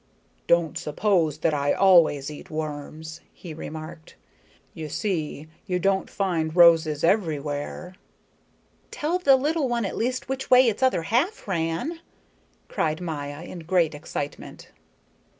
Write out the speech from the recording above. "Don't suppose that I always eat worms," he remarked. "You see, you don't find roses everywhere." "Tell the little one at least which way its other half ran," cried Maya in great excitement.